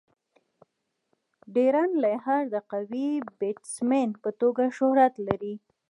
ډیرن لیهر د قوي بيټسمېن په توګه شهرت لري.